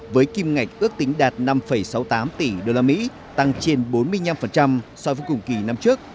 với kim ngạch ước tính đạt năm sáu mươi tám tỷ đô la mỹ tăng trên bốn mươi năm so với cùng kỳ năm trước